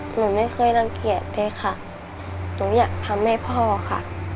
หนูไม่เคยรังเกียจเลยค่ะหนูอยากทำให้พ่อค่ะ